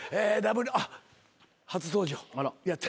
あっ初登場。